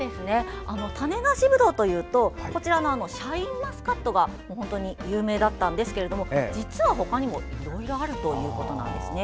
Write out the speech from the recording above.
種無しブドウというとシャインマスカットが有名だったんですけれども実は他にもいろいろあるということです。